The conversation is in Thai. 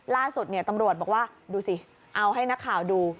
ล่าสุดตำรวจบอกว่าดูสิเอาให้นักข่าวดู